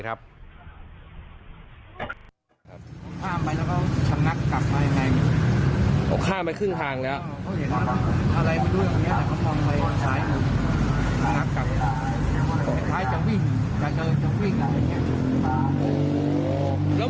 มาทางตรงเลย